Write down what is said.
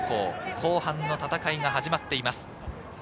後半の戦いが始まっています。